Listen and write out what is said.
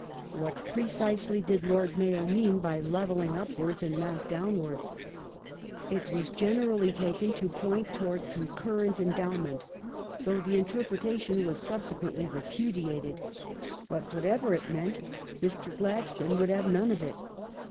What precisely did Lord Mayo mean by " levelling upwards Mr. Glad and not downwards"? It was generally taken to point towards ^^°"jj.j *j"^ " concurrent endowment," though the interpretation was sub Church sequently repudiated. But, whatever it meant, Mr. Gladstone would have none of it.